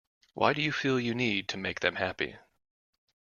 Why do you feel you need to make them happy?